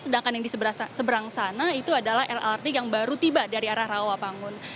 sedangkan yang di seberang sana itu adalah lrt yang baru tiba dari arah rawa bangun